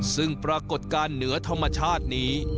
ซึ่งปรากฏการณ์เหนือธรรมชาตินี้